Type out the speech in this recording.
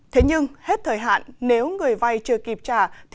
thế nhưng hết thời hạn nếu người vay chưa kịp trả